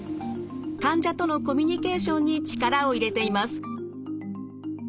患者とのコミュニケーションに力を入れています。